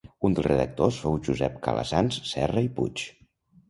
Un dels redactors fou Josep Calassanç Serra i Puig.